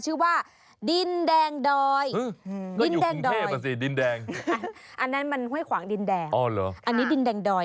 ชื่อว่าดินแดงดอย